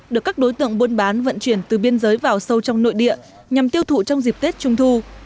được các đối tượng buôn bán vận chuyển từ biên giới vào sâu trong nội địa nhằm tiêu thụ trong dịp tết trung thu